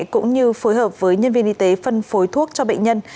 cũng như phối hợp với nhân viên y tế phân phối thuốc cho bệnh nhân